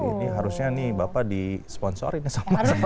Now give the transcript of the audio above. ini harusnya nih bapak di sponsorin sama pendukungnya